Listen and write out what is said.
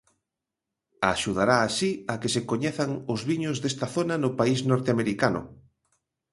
Axudará así a que se coñezan os viños desta zona no país norteamericano.